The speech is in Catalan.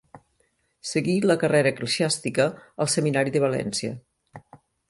Seguí la carrera eclesiàstica al Seminari de València.